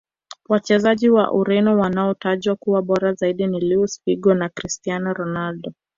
Wachezaji wa ureno wanaotajwa kuwa bora zaidi ni luis figo na cristiano ronaldo